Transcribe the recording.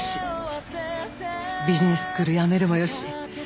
ビジネススクールやめるもよし